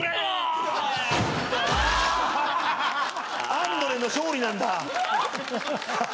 アンドレの勝利なんだ！